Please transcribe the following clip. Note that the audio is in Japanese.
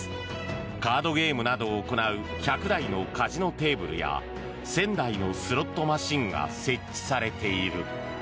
カードゲームなどを行う１００台のカジノテーブルや１０００台のスロットマシンが設置されている。